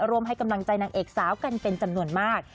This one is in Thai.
ให้กำลังใจนางเอกสาวกันเป็นจำนวนมาก